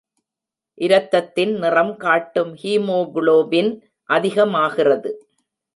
இரத்தத்தின் நிறம் காட்டும் ஹீமோகுளோபின் அதிகமாகிறது.